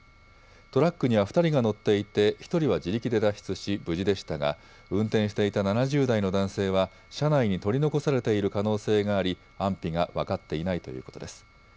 トラックには２人が乗っていて１人は自力で脱出し無事でしたが運転していた７０代の男性は車内に取り残されている可能性があり安否が分かっていないということです。